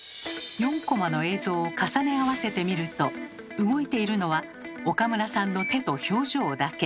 ４コマの映像を重ね合わせてみると動いているのは岡村さんの手と表情だけ。